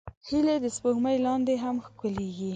هیلۍ د سپوږمۍ لاندې هم ښکليږي